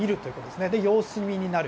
で、様子見になる。